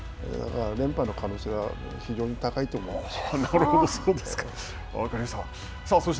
連覇の可能性は非常に高いと思います。